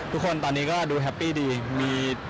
ทุกคนตอนนี้ก็ดูแฮปปี้ดี